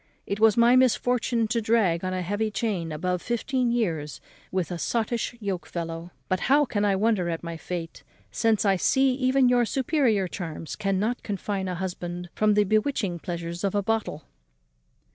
It was my misfortune to drag on a heavy chain above fifteen years with a sottish yoke fellow. But how can I wonder at my fate, since I see even your superior charms cannot confine a husband from the bewitching pleasures of a bottle?"